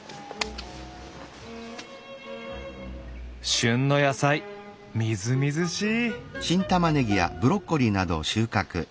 旬の野菜みずみずしい！